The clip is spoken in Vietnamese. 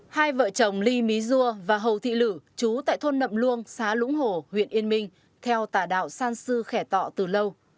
hai vợ chồng ly mí dua và hầu thị lử chú tại thôn nậm luông xá lũng hồ huyện yên minh theo tà đạo san sư khẻ tọ từ lâu